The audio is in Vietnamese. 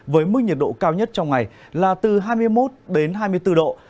với mức nhiệt độ cao nhất trong ngày là từ hai mươi một đến hai mươi bốn độ